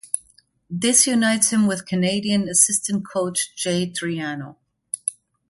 This unites him with Canadian assistant coach Jay Triano.